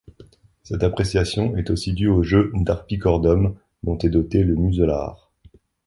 Cette appréciation est aussi due au jeu d'Arpichordum dont est doté le muselaar.